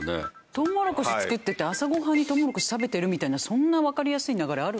トウモロコシ作ってて朝ご飯にトウモロコシ食べてるみたいなそんなわかりやすい流れある？